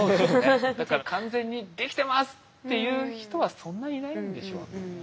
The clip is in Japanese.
だから「完全にできてます！」っていう人はそんないないんでしょうね。